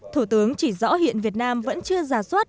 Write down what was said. thủ tướng chỉ rõ hiện việt nam vẫn chưa giả soát